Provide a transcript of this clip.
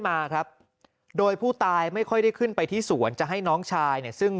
มาครับโดยผู้ตายไม่ค่อยได้ขึ้นไปที่สวนจะให้น้องชายเนี่ยซึ่ง